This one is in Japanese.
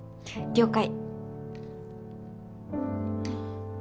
了解。